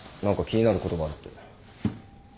何か気になることがあるって。